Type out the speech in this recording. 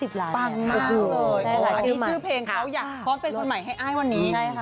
ปล้ั่งมากเลยมีชื่อเพลงเขาอยากพร้อมเป็นคนใหม่ให้ไอ้วันนี้ใช่ค่ะ